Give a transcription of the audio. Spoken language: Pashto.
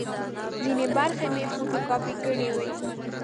ځینې برخې مې فوټو کاپي کړې وې.